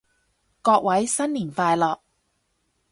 各位新年快樂